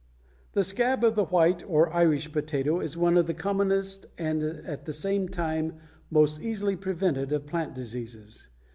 = The scab of the white, or Irish, potato is one of the commonest and at the same time most easily prevented of plant diseases.